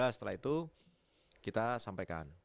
setelah itu kita sampaikan